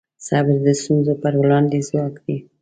صبر د ستونزو پر وړاندې ځواک دی.